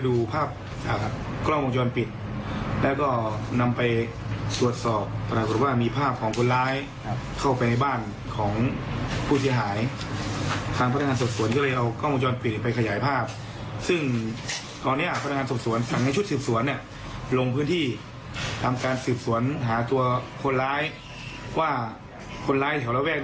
หรือเป็นชาวต่างดาวตามที่ผู้เสียหายเขาสงสัย